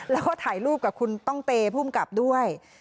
แล้วก็ถ่ายรูปกับคุณต้องเตภูมิกับด้วย